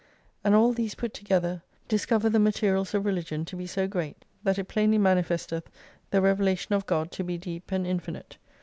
And all these put together discover the materials of religion to be so great, that it plainly manifesteth the Revelation of God to be deep and infinite.